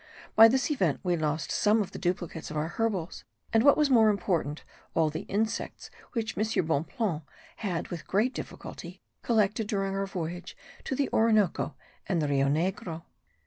By this event we lost some of the duplicates of our herbals, and what was more important, all the insects which M. Bonpland had with great difficulty collected during our voyage to the Orinoco and the Rio Negro.